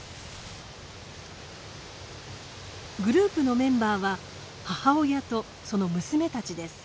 グループのメンバーは母親とその娘たちです。